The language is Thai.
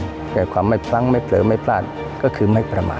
ตื่นถึงความมไล่ไม่พลังไม่เผลอไม่พลาดก็คือไม่ประมาท